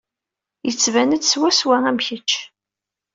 Yettban-d swaswa am kečč.